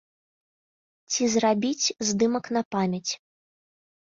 Ці зрабіць здымак на памяць.